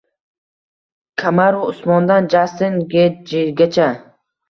Kamaru Usmondan Jastin Getjigacha